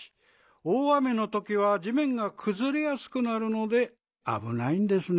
大雨のときはじめんがくずれやすくなるのであぶないんですねぇええええ」。